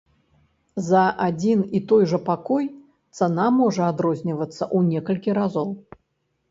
За адзін і той жа пакой цана можа адрознівацца ў некалькі разоў.